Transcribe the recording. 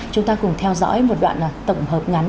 chúng ta cùng theo dõi một đoạn tổng hợp ngắn